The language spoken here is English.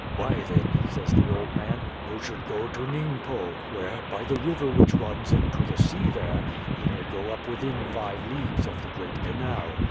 "Why, then," says the old man, "you should go to Ningpo, where, by the river which runs into the sea there, you may go up within five leagues of the great canal.